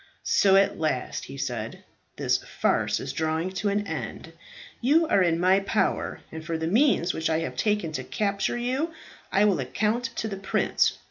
"So, at last," he said, "this farce is drawing to an end. You are in my power, and for the means which I have taken to capture you, I will account to the prince.